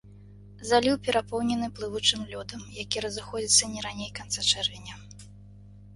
Заліў перапоўнены плывучым лёдам, які разыходзіцца не раней канца чэрвеня.